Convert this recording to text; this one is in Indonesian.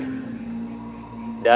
dalam latihan tanding pedang